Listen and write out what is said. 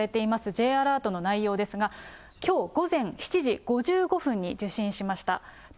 Ｊアラートの内容ですが、きょう午前７時５５分に受信しました。